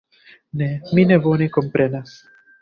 Ne, mi ne bone komprenas.